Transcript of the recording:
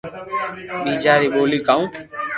ٻآجا ري ٻولي ڪاو